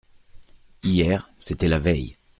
Hier, c’était la veille.